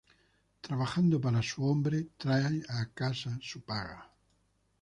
Trabajando para su hombre, trae a casa su paga.